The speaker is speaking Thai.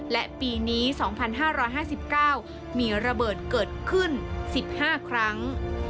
และปีนี้สองพันห้าร้อยห้าสิบเก้ามีระเบิดเกิดขึ้นสิบห้าครั้ง